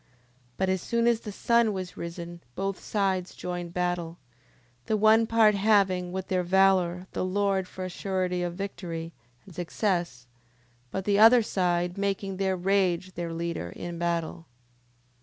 10:28. But as soon as the sun was risen both sides joined battle: the one part having, with their valour, the Lord for a surety of victory, and success: but the other side making their rage their leader in battle.